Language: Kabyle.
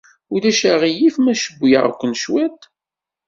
Ulac aɣilif ma cewwleɣ-ken cwiṭ?